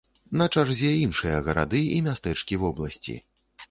На чарзе іншыя гарады і мястэчкі вобласці.